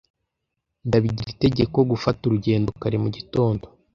Ndabigira itegeko gufata urugendo kare mugitondo.